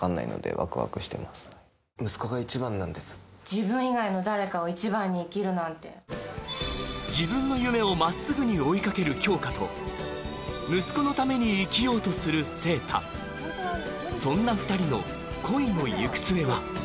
自分以外の誰かを一番に生きるなんて自分の夢をまっすぐに追いかける杏花と息子のために生きようとする晴太そんな２人の恋の行く末は？